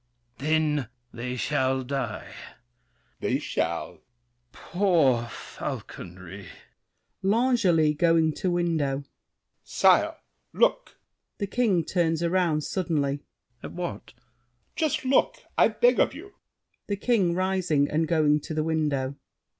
Then they shall die! L'ANGELY. They shall! THE KING. Poor falconry! L'ANGELY (going to window). Sire, look! THE KING (turns around suddenly). At what? L'ANGELY. Just look, I beg of you! THE KING (rising and going to the window).